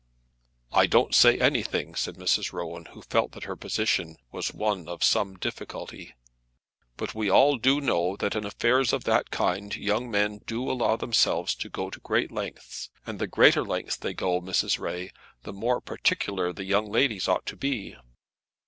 "I don't say anything," said Mrs. Rowan, who felt that her position was one of some difficulty. "But we all do know that in affairs of that kind young men do allow themselves to go great lengths. And the greater lengths they go, Mrs. Ray, the more particular the young ladies ought to be."